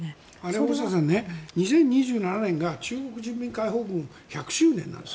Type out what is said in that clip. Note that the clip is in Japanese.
大下さん、２０２７年が中国人民解放軍１００周年なんです。